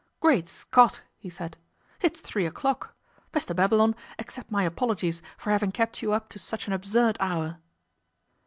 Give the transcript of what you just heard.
'Great Scott!' he said. 'It's three o'clock. Mr Babylon, accept my apologies for having kept you up to such an absurd hour.